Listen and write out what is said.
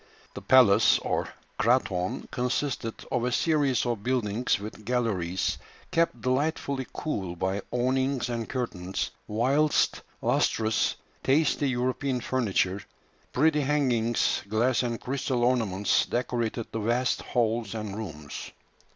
The palace or "kraton" consisted of a series of buildings with galleries, kept delightfully cool by awnings and curtains, whilst lustres, tasty European furniture, pretty hangings, glass and crystal ornaments decorated the vast halls and rooms.